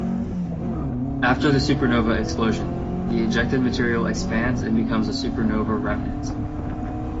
After the supernova explosion, the ejected material expands and becomes a supernova remnant.